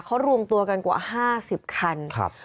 เขารวมตัวกันกว่าห้าสิบคันครับ